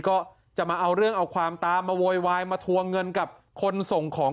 ก็จะมาเอาเรื่องเอาความตามมาโวยวายมาทวงเงินกับคนส่งของ